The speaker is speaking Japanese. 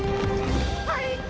はい。